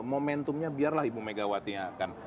momentumnya biarlah ibu megawati yang akan